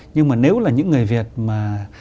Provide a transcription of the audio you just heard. nhưng mà nếu là những người việt mà